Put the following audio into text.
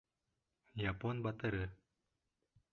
Япон батыры.